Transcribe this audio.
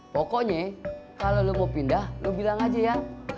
pokoknya kalau lo mau pindah lu bilang aja ya